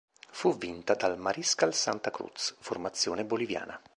Fu vinta dal Mariscal Santa Cruz, formazione boliviana.